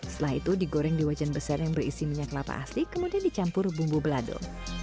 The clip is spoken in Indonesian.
setelah itu digoreng di wajan besar yang berisi minyak kelapa asli kemudian dicampur bumbu belado